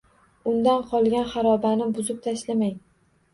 Undan qolgan harobani buzib tashlamang